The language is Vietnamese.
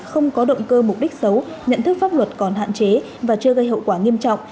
không có động cơ mục đích xấu nhận thức pháp luật còn hạn chế và chưa gây hậu quả nghiêm trọng